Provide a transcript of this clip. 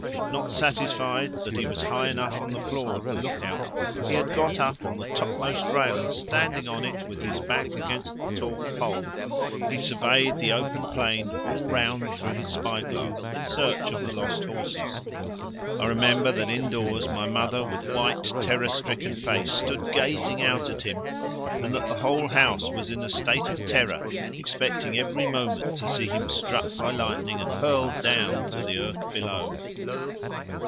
Not satisfied that he was high enough on the floor of the look out he had got up on the topmost rail, and standing on it, with his back against the tall pole, he surveyed the open plain all round through his spy glass in search of the lost horses. I remember that indoors my mother with white terror stricken face stood gazing out at him, and that the whole house was in a state of terror, expecting every moment to see him struck by lightning and hurled down to the earth below.